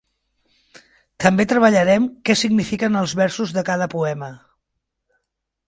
També treballarem què signifiquen els versos de cada poema.